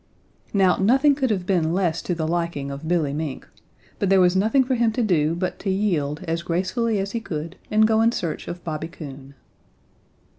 Now nothing could have been less to the liking of Billy Mink, but there was nothing for him to do but to yield as gracefully as he could and go in search of Bobby Coon.